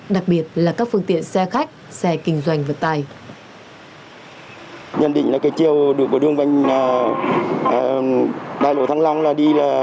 đặc biệt là các phương tiện xe khách xe kinh doanh vật tài